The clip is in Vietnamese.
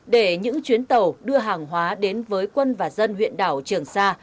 để những chuyến tàu đưa hàng hóa đến với quân và dân huyện đảo trường sa